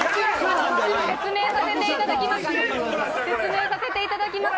説明させていただきます。